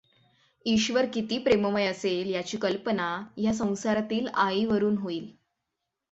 ईश्वर किती प्रेममय असेल ह्याची कल्पना ह्या संसारातील आईवरून येईल.